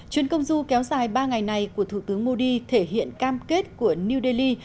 chuyến công du kéo dài ba ngày này của thủ tướng modi thể hiện cam kết của new delhi